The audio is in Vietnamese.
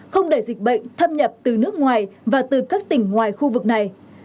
không để dịch bệnh thâm nhập từ nước ngoài và từ các tỉnh ngoài khu vực này